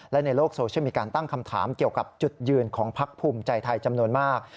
และในโลกโซเชียลมีการตั้งคำถามเกี่ยวกับจุดยืนของพักภูมิใจไทยจำนวนมาก